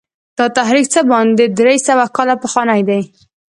دا تحریکونه څه باندې درې سوه کاله پخواني دي.